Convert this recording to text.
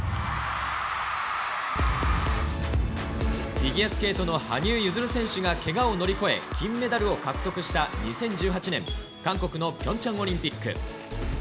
フィギュアスケートの羽生結弦選手がけがを乗り越え、金メダルを獲得した２０１８年韓国のピョンチャンオリンピック。